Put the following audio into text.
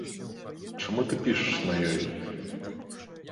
Чаму ты пішаш на ёй?